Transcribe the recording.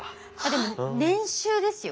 でも年収ですよ。